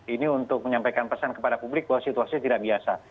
ini untuk menyampaikan pesan kepada publik bahwa situasinya tidak biasa